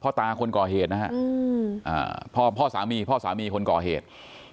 พ่อตาคนก่อเหตุนะครับพ่อสามีคนก่อเหตุ